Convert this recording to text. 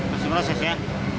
masih proses ya